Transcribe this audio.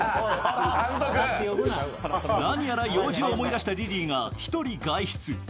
何やら用事を思い出したリリーが１人外出。